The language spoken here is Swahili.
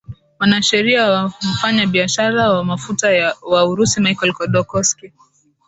mwanasheria wa mfanya biashara wa mafuta wa urusi michael kodokoski